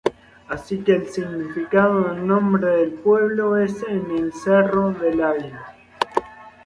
Así que el significado del nombre del pueblo es "En el cerro del Águila".